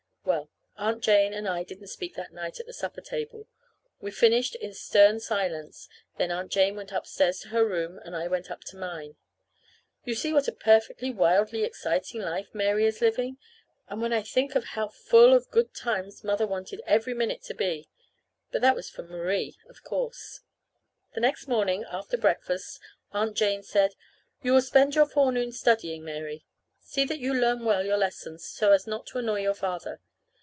Well, Aunt Jane and I didn't speak that night at the supper table. We finished in stern silence; then Aunt Jane went upstairs to her room and I went up to mine. (You see what a perfectly wildly exciting life Mary is living! And when I think of how full of good times Mother wanted every minute to be. But that was for Marie, of course.) The next morning after breakfast Aunt Jane said: "You will spend your forenoon studying, Mary. See that you learn well your lessons, so as not to annoy your father."